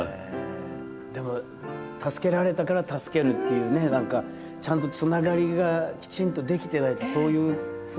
でも助けられたから助けるっていうねちゃんとつながりがきちんとできていないとそういうふうな運動につながっていかないですもんね。